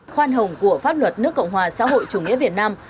khoan hồng của pháp luật nước cộng hòa xã hội chủ nghĩa việt nam